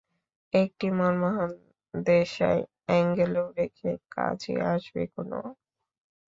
একটি মনমোহন দেশাই অ্যাঙ্গেলও রেখো, কাজে আসবে কোন।